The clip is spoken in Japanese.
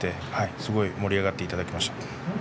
すごく盛り上がっていただきました。